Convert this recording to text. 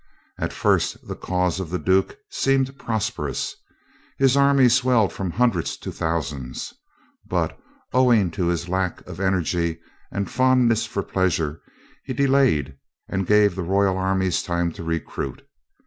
At first the cause of the duke seemed prosperous. His army swelled from hundreds to thousands; but, owing to his lack of energy and fondness for pleasure, he delayed and gave the royal armies time to recruit.